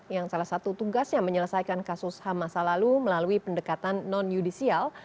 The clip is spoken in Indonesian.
yang salah satu tugasnya menyelesaikan kasus ham masa lalu melalui pendekatan non judisial